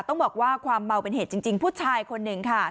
ต้องบอกว่าความเมาเป็นเหตุจริงผู้ชายคนหนึ่งค่ะ